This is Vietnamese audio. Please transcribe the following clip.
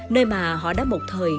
nơi mà họ đã một thời